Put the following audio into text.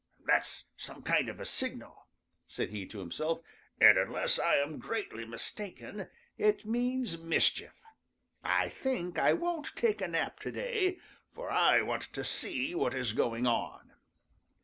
"That's some kind of a signal," said he to himself, "and unless I am greatly mistaken, it means mischief. I think I won't take a nap to day, for I want to see what is going on."